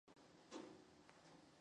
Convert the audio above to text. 缝隙中介质的酸度逐渐增加。